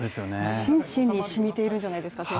心身に染みているんじゃないですか